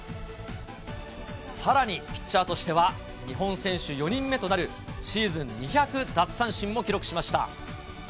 さらに、ピッチャーとしては日本選手４人目となるシーズン２００奪三振も記録しました。